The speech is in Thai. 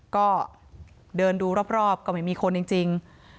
ก็เดินดูรอบก็ไม่มีคนจริง